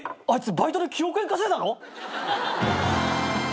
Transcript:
バイトで９億円稼いだの！？